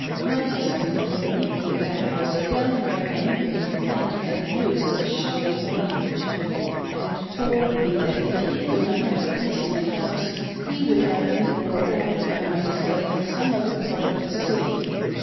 My husband 36 594 "THAT DETESTABLE, LITTLE VIXEN !" vjr hen he came back was downright angry, and made use of shocking language, and told me that, if he could not have peace in the house, he would have me board out by myself in some other part of the city.